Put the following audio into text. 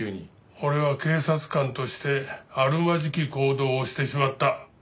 俺は警察官としてあるまじき行動をしてしまった。